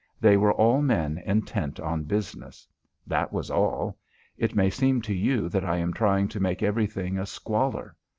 They were all men intent on business. That was all. It may seem to you that I am trying to make everything a squalor.